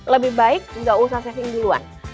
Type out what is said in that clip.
lebih baik nggak usah saving duluan